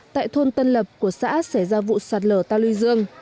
tại thôn tân lập của xã xảy ra vụ sạt lở ta luy dương